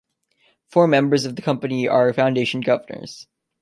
Four members of the Company are foundation governors.